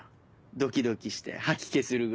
ドキドキして吐き気するぐらい。